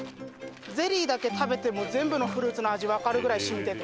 ゼリーだけ食べても全部のフルーツの味わかるぐらい染みてる。